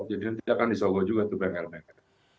jadi ini tidak akan disogok juga tuh bengkel bengkel